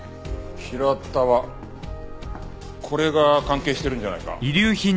「平田」はこれが関係してるんじゃないか？